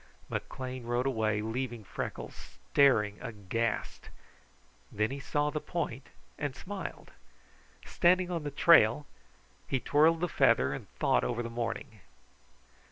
McLean rode away leaving Freckles staring aghast. Then he saw the point and smiled. Standing on the trail, he twirled the feather and thought over the morning.